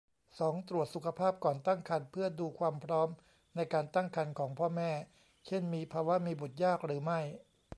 สอง ตรวจสุขภาพก่อนตั้งครรภ์เพื่อดูความพร้อมในการตั้งครรภ์ของพ่อแม่ เช่น มีภาวะมีบุตรยากหรือไม่